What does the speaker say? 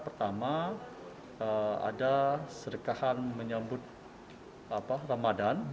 pertama ada sedekahan menyambut ramadan